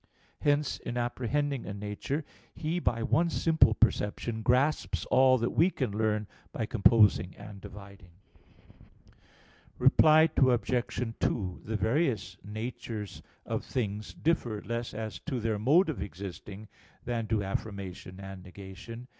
Hence, in apprehending a nature, he by one simple perception grasps all that we can learn by composing and dividing. Reply Obj. 2: The various natures of things differ less as to their mode of existing than do affirmation and negation.